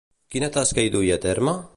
Quina tasca hi duia a terme?